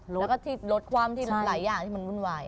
แล้วก็ที่รถคว่ำที่หลายอย่างที่มันวุ่นวาย